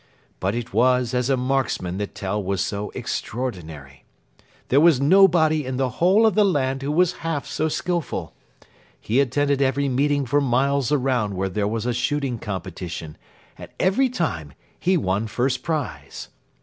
But it was as a marksman that Tell was so extraordinary. There was nobody in the whole of the land who was half so skilful. He attended every meeting for miles around where there was a shooting competition, and every time he won first prize.